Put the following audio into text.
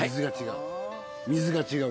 水が違う。